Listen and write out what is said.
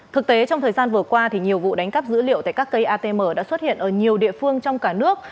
thực tế trong thời gian vừa qua nhiều vụ đánh cắp dữ liệu tại các cây atm đã xuất hiện ở nhiều địa phương trong cả nước